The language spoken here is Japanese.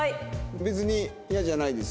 別に嫌じゃないです。